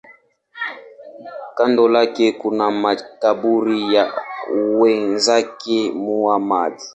Kando lake kuna makaburi ya wenzake Muhammad.